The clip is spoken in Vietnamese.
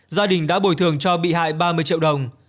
gia đình đã bồi thường cho bị hại ba mươi triệu đồng